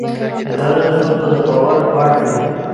اداره د خلکو د باور وړ وي.